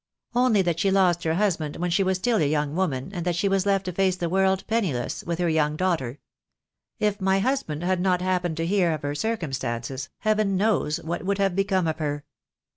"Only that she lost her husband when she was still a young woman, and that she was left to face the world penniless with her young daughter. If my husband had not happened to hear of her circumstances Heaven knows what would have become of her.